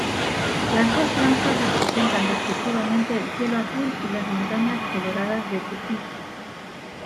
Las dos franjas representan respectivamente el cielo azul, y las montañas coloradas de Tupiza.